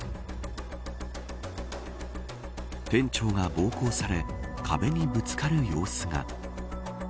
店長が暴行され壁にぶつかる様子が。